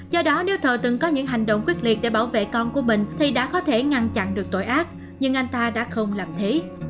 do đó nếu thọ từng có những hành động quyết liệt để bảo vệ con của mình thì đã có thể ngăn chặn được tội ác nhưng anh ta đã không làm thế